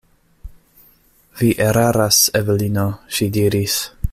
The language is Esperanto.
Vi eraras, Evelino, ŝi diris.